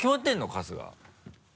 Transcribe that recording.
春日。